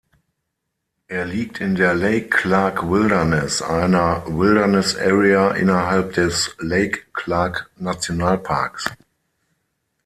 Er liegt in der "Lake Clark Wilderness", einem Wilderness Area innerhalb des Lake-Clark-Nationalparks.